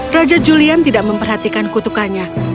raja julian tidak memperhatikan kutukannya